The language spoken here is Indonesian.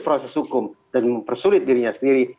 proses hukum dan mempersulit dirinya sendiri